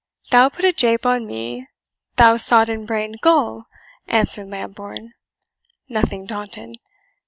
"Thou put a jape on me, thou sodden brained gull?" answered Lambourne, nothing daunted.